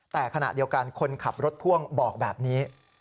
แต่ขณะเดียวกันคนขับรถพ่วงบอกแบบนี้